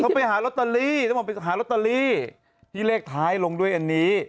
เขาไปหาลอตเตอรี่แล้วบอกไปหาลอตเตอรี่ที่เลขท้ายลงด้วยอันนี้